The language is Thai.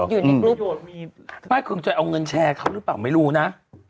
มีประโยชน์ป้าเกิงจัยเอาเงินแชร์เขาหรือเปล่าไม่รู้นะ